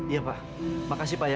iya pak makasih pak ya